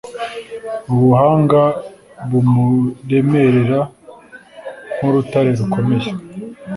ubuhangabumuremerera nk’urutare rukomeye